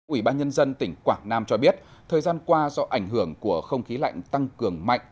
ủy ban nhân dân tỉnh quảng nam cho biết thời gian qua do ảnh hưởng của không khí lạnh tăng cường mạnh